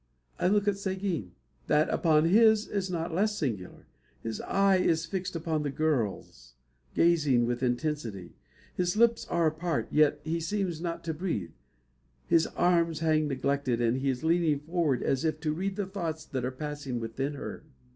I look at Seguin. That upon his is not less singular. His eye is fixed upon the girl's, gazing with intensity. His lips are apart, yet he seems not to breathe. His arms hang neglected, and he is leaning forward as if to read the thoughts that are passing within her.